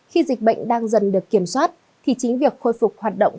khi dịch bệnh đang dần được kiểm soát thì chính việc khôi phục hoạt động